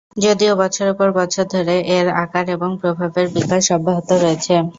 যদিও বছরের পর বছর ধরে এর আকার এবং প্রভাবের বিকাশ অব্যাহত রয়েছে।